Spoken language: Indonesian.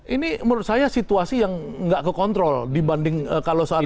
ini menurut saya situasi yang nggak kekontrol dibanding kalau saat ini